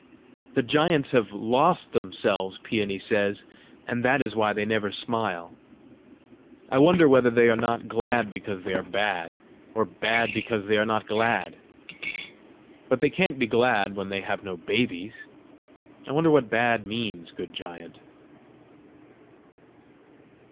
The giants have lost themselves, Peony says, and that is why they never smile. I wonder whether they are not glad because they are bad, or bad because they are not glad. But they can't be glad when they have no babies! I wonder what BAD means, good giant!"